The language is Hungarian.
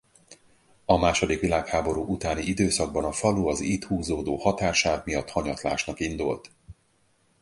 A második világháború utáni időszakban a falu az itt húzódó határsáv miatt hanyatlásnak indult.